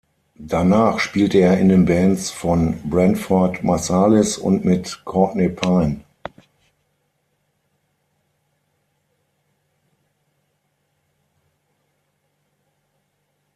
Danach spielte er in den Bands von Branford Marsalis und mit Courtney Pine.